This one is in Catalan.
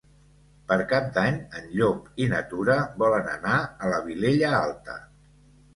Per Cap d'Any en Llop i na Tura volen anar a la Vilella Alta.